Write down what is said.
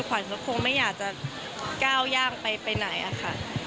ขวัญก็คงไม่อยากจะก้าวย่างไปไหนอะค่ะ